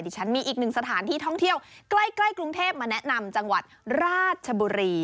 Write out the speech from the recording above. ฉันมีอีกหนึ่งสถานที่ท่องเที่ยวใกล้กรุงเทพมาแนะนำจังหวัดราชบุรี